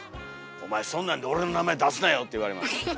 「お前そんなんで俺の名前出すなよ」って言われます。